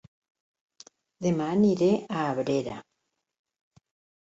Dema aniré a Abrera